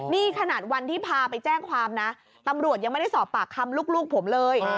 นี่ขนาดวันที่พาไปแจ้งความนะตำรวจยังไม่ได้สอบปากคำลูกผมเลย